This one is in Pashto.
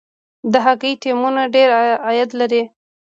د هاکي ټیمونه ډیر عاید لري.